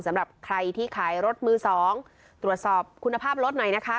สำหรับใครที่ขายรถมือสองตรวจสอบคุณภาพรถหน่อยนะคะ